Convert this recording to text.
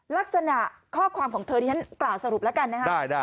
ลักษณะข้อความของเธอที่ฉันกล่าวสรุปแล้วกันนะครับ